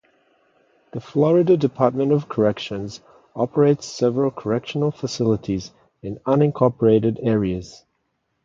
The Florida Department of Corrections operates several correctional facilities in unincorporated areas.